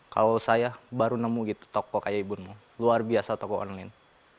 kalau saya baru nemu gitu toko kayak ibumu luar biasa toko online